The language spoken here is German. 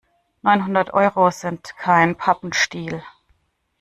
Neunhundert Euro sind kein Pappenstiel.